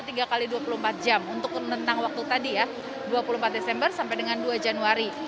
ini harus diperhatikan terkait bukti vaksin yang berlaku dua puluh empat jam untuk rentang waktu tadi ya dua puluh empat desember sampai dengan dua januari